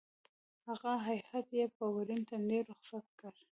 هغه هېئت یې په ورین تندي رخصت کړ.